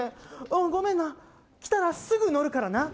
ごめんな、来たらすぐ乗るからな。